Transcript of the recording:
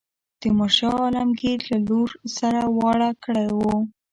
تیمور شاه عالمګیر له لور سره واړه کړی وو.